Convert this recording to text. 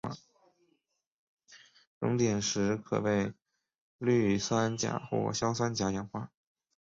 熔点时可被氯酸钾或硝酸钾氧化。